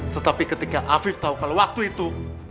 tetapi ketika afif tahu kalau waktu itu